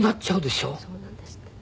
そうなんですってね。